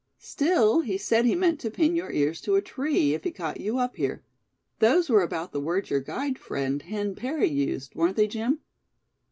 "Sill, he said he meant to pin your ears to a tree, if he caught you up here; those were about the words your guide friend, Hen Parry, used, weren't they, Jim?"